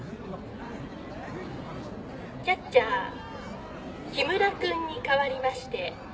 キャッチャー木村君に代わりまして高木君